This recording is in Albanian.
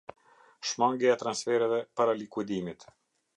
Shmangia e transfereve para likuidimit.